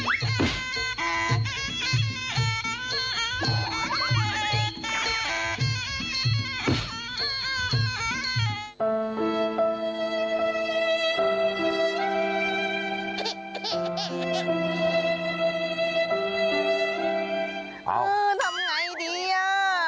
เออทำไงดีอ่ะ